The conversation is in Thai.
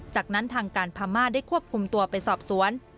จากนั้นทางการพม่าได้ควบคุมตัวไปสอบสวน